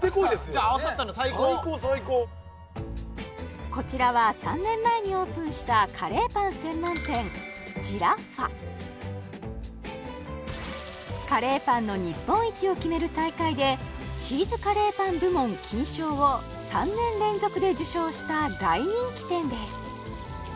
じゃあ合わさったの最高最高最高こちらは３年前にオープンしたカレーパン専門店カレーパンの日本一を決める大会でチーズカレーパン部門金賞を３年連続で受賞した大人気店です